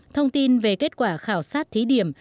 thông tin về kết quả khảo sát thí điểm